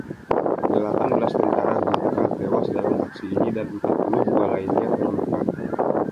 Delapan belas tentara Gurkha tewas dalam aksi ini dan empat puluh dua lainnya terluka.